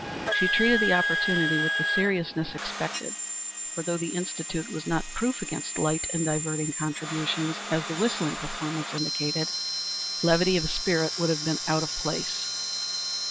She treated the opportunity with the seriousness expected, for though the Institute was not proof against light and diverting contributions, as the whistling performance indicated, levity of spirit would have been out of place.